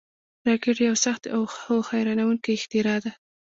راکټ یو سخت، خو حیرانوونکی اختراع ده